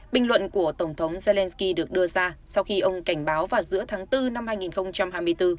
bình luận của tổng thống zelensky được đưa ra sau khi ông cảnh báo vào giữa tháng bốn năm hai nghìn hai mươi bốn